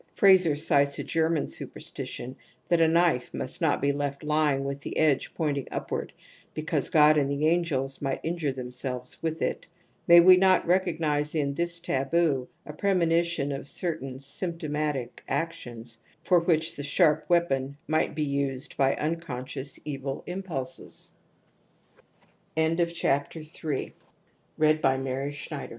Frazer sites a German superstition that a knife must not be left lying with the edge pointing up ward because God and the angels might injure themselves with it. May we not recognize in this taboo a premonition of certain * sympto matic actions '^ for which the sharp weapon might be used by unconscious evil imp